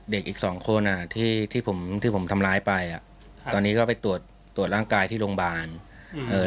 เด็กอีก๒คนที่ผมทำร้ายไปตอนนี้ก็ไปตรวจร่างกายที่โรงพยาบาล